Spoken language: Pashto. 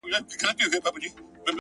• انارکلي اوښکي دي مه تویوه,